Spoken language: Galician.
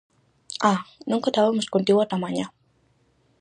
Ah!, non contabamos contigo ata mañá.